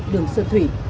đường xuân thủy